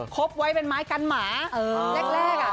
บไว้เป็นไม้กันหมาแรกอ่ะ